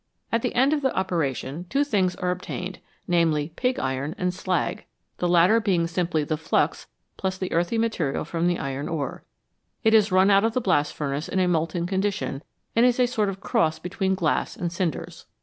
At the end of the operation two things are obtained, namely, pig iron and slag, the latter being simply the flux + the earthy material from the iron ore. It is run out of the blast furnace in a molten condition and is a sort of cross between glass and cinders.